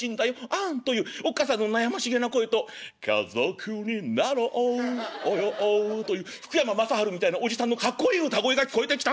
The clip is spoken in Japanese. あんっ』というおっ母さんの悩ましげな声と『家族になろうよ』という福山雅治みたいなおじさんのかっこいい歌声が聞こえてきたんだよ